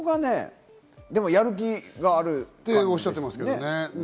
でも、やる気があるっておっしゃってましたからね。